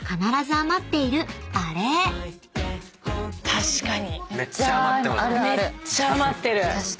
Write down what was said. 確かに。